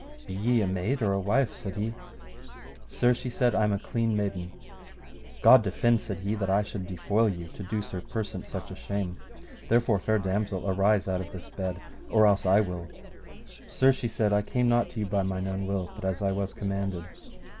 Be ye a maid or a wife? said he. Sir, she said, I am a clean maiden. God defend, said he, that I should defoil you to do Sir Persant such a shame; therefore, fair damosel, arise out of this bed or else I will. Sir, she said, I came not to you by mine own will, but as I was commanded.